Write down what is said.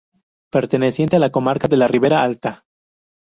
Perteneciente a la comarca de la Ribera Alta.